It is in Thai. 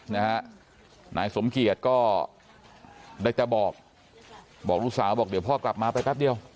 นายสมเกียจก็ได้แต่บอกบอกลูกสาวบอกเดี๋ยวพ่อกลับมาไปแป๊บเดียว